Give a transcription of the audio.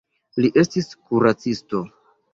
Li estis kuracisto.